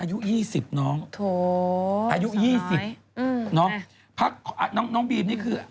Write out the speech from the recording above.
อายุ๒๐น้องโถอายุ๒๐น้องพักน้องน้องบีมนี่คือ